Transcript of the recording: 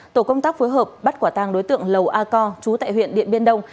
tổ công tác phối hợp bắt quả tang đối tượng lầu a co trú tại huyện điện biên đông